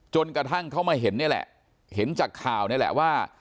จนกระทั่งเขามาเห็นนี่แหละเห็นจากข่าวนี่แหละว่า